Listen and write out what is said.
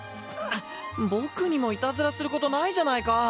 僕にもいたずらすることないじゃないか。